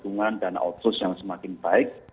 lalu juga dukungan dana outsource yang semakin baik